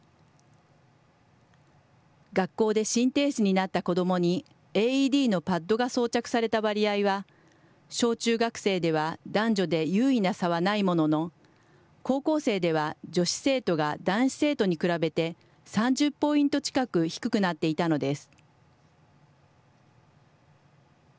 学校で心停止になった子どもにＡＥＤのパッドが装着された割合は、小中学生では男女で有意な差はないものの、高校生では女子生徒が男子生徒に比べて、３０ポイント近く低くなっていたのです。